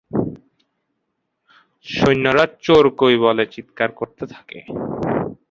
সৈন্যরা চোর কই বলে চিৎকার করতে থাকে।